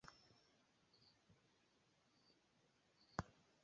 En la Eŭropa Komisiono, li prezidas la fakojn "scienco kaj esploro".